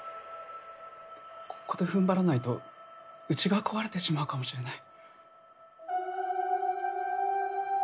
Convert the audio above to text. ここで踏ん張らないとうちが壊れてしまうかもしれない。